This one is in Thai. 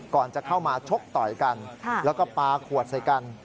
ก่อนจะเข้ามาชกต่อยกันแล้วก็ปลาขวดใส่กัน